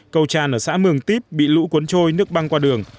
cầu tràn ở xã mường tiếp bị lũ cuốn trôi nước băng qua đường